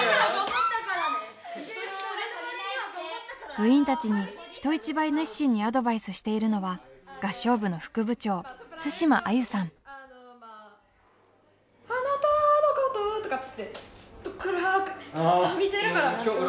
部員たちに人一倍熱心にアドバイスしているのはあなたのこととかっつってずっとくらく下見てるからこえぇなってなっちゃう。